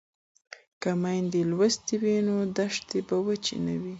که میندې لوستې وي نو دښتې به وچې نه وي.